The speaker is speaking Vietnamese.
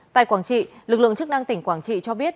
tại quảng trị lực lượng chức năng tỉnh quảng trị cho biết